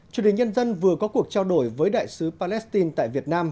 truyền hình nhân dân vừa có cuộc trao đổi với đại sứ palestine tại việt nam